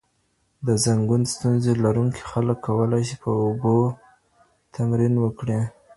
د زنګون ستونزې لرونکي خلک کولی شي په اوبو تمرین وکړي.